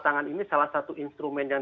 tangan ini salah satu instrumen yang